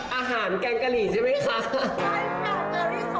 อาหารแกงกะหลีใช่ไหมคะ